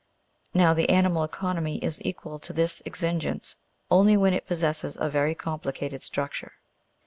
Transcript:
Now the animal economy is equal to this exigence only when it possesses a very complicated structure.